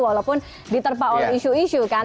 walaupun diterpaul isu isu kan